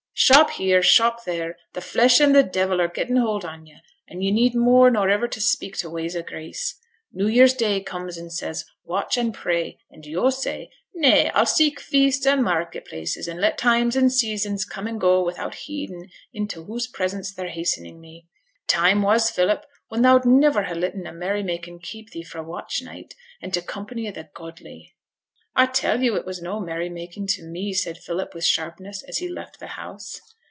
'Shop here, shop there. The flesh and the devil are gettin' hold on yo', and yo' need more nor iver to seek t' ways o' grace. New year's day comes and says, "Watch and pray," and yo' say, "Nay, I'll seek feasts and market places, and let times and seasons come and go without heedin' into whose presence they're hastening me." Time was, Philip, when thou'd niver ha' letten a merry making keep thee fra' t' watch night, and t' company o' the godly.' 'I tell yo' it was no merry making to me,' said Philip, with sharpness, as he left the house.